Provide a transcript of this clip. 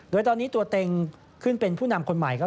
โดยตอนนี้ตัวเต็งขึ้นเป็นผู้นำคนใหม่ครับ